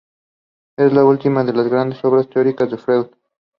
He currently serves as Deputy Prime Minister of Laos.